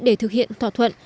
để thực hiện thỏa thuận